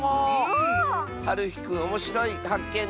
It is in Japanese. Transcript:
はるひくんおもしろいはっけん